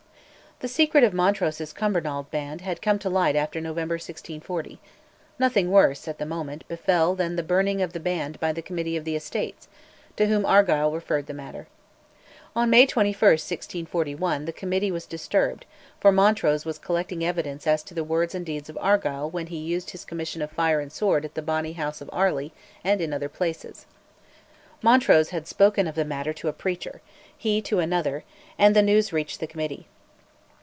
The secret of Montrose's Cumbernauld band had come to light after November 1640: nothing worse, at the moment, befell than the burning of the band by the Committee of Estates, to whom Argyll referred the matter. On May 21, 1641, the Committee was disturbed, for Montrose was collecting evidence as to the words and deeds of Argyll when he used his commission of fire and sword at the Bonny House of Airlie and in other places. Montrose had spoken of the matter to a preacher, he to another, and the news reached the Committee.